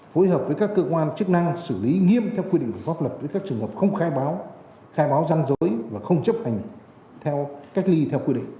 phối hợp với các cơ quan chức năng xử lý nghiêm theo quy định của pháp luật với các trường hợp không khai báo khai báo răn rối và không chấp hành theo cách ly theo quy định